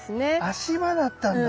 足場だったんだ。